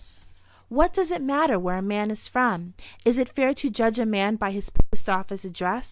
What does it matter where a man is from? Is it fair to judge a man by his post office address?